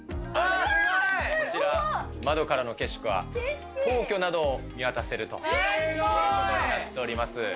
こちら、窓からの景色は、皇居などを見渡せるとなっております。